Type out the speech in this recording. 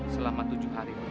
selamat tujuh hari pak